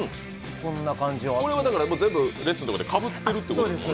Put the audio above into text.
これはだから全部レッスンとかでかぶってるということですね？